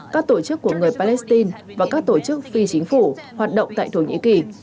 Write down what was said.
các tổ chức của người palestine và các tổ chức phi chính phủ hoạt động tại thổ nhĩ kỳ